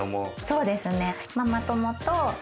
そうですね。